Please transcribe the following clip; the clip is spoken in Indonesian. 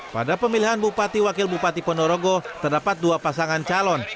pada pemilihan bupati wakil bupati ponorogo terdapat dua pasangan calon